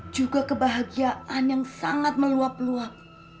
juga kebahagiaan yang sangat meluap luap